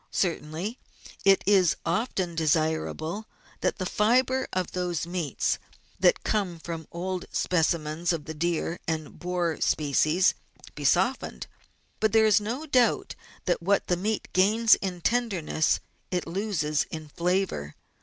Certainly it is often desirable that the fibre of those meats that come from old specimens of the deer and boar species be softened, but there is no doubt that what the meat gains in tenderness it loses in flavour.